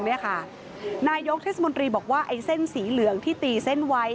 นายกเทศมนตรีบอกว่าไอ้เส้นสีเหลืองที่ตีเส้นไว้